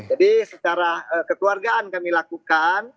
jadi secara ketua keluargaan kami lakukan